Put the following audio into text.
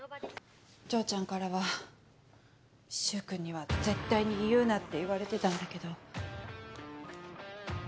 丈ちゃんからは柊君には絶対に言うなって言われてたんだけど。